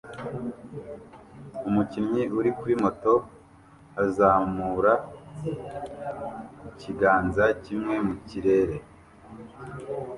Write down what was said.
Umukinnyi uri kuri moto azamura ikiganza kimwe mu kirere